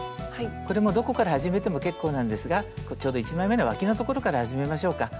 これもどこから始めても結構なんですがちょうど１枚めのわきの所から始めましょうか。